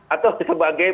atau sebagai pelayanan